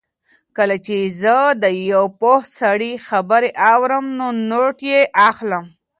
کله چې زه د یو پوه سړي خبرې اورم نو نوټ یې اخلم.